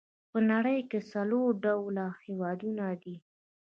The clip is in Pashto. په نړۍ کې څلور ډوله هېوادونه دي.